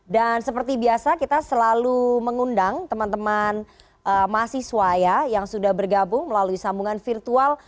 dan seperti biasa kita selalu mengundang teman teman mahasiswa ya yang sudah bergabung melalui sambungan virtual